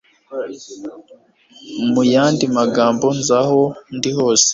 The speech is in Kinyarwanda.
Muyandi magambo, nzi aho ndi hose,